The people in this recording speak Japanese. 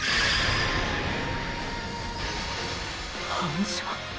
反射。